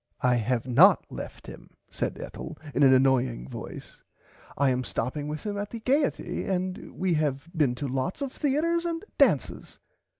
I have not left him said Ethel in an annoying voice I am stopping with him at the gaierty and we have been to lots of theaters and dances.